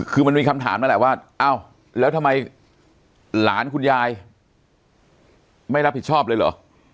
คือมันมีคำถามนั่นแหละว่าอ้าวแล้วทำไมหลานคุณยายไม่รับผิดชอบเลยเหรอ